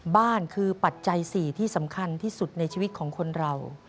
บ้านคือปัจจัย๔ที่สำคัญที่สุดในชีวิตของคนเรา